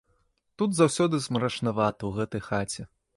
Тут заўсёды змрачнавата, у гэтай хаце.